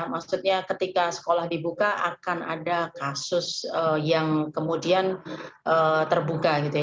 maksudnya ketika sekolah dibuka akan ada kasus yang kemudian terbuka gitu ya